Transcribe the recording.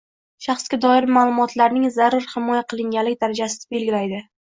shaxsga doir ma’lumotlarning zarur himoya qilinganlik darajasini belgilaydi;